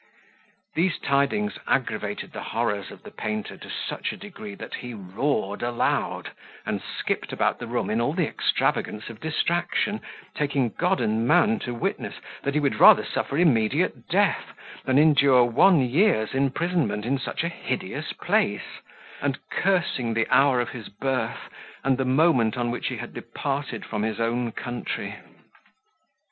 These tidings aggravated the horrors of the painter to such a degree that he roared aloud, and skipped about the room in all the extravagance of distraction, taking God and man to witness, that he would rather suffer immediate death than endure one year's imprisonment in such a hideous place; and cursing the hour of his birth, and the moment on which he departed from his own country.